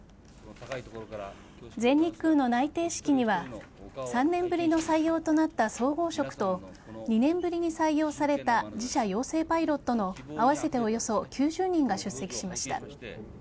全日空の内定式には３年ぶりの採用となった総合職と２年ぶりに採用された自社養成パイロットの合わせておよそ９０人が出席しました。